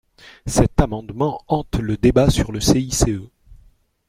Cet amendement hante le débat sur le CICE.